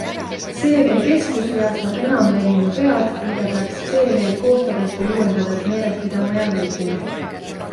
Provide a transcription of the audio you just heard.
CV Keskus reastab enamlevinud vead, mida peaks CV-d koostades või uuendades meeles pidama ja vältima.